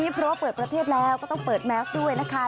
เพราะว่าเปิดประเทศแล้วก็ต้องเปิดแมสด้วยนะคะ